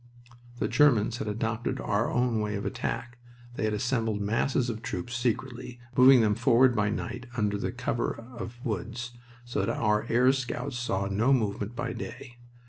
The Germans had adopted our own way of attack. They had assembled masses of troops secretly, moving them forward by night under the cover of woods, so that our air scouts saw no movement by day.